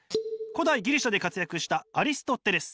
古代ギリシアで活躍したアリストテレス。